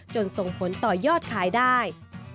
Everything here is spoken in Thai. ส่งผลต่อยอดขายได้